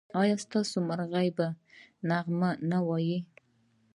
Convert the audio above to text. ایا ستاسو مرغۍ به نغمې نه وايي؟